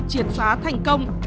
triển phá thành công